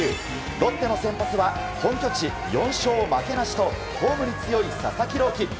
ロッテの先発は本拠地４勝負けなしとホームに強い佐々木朗希。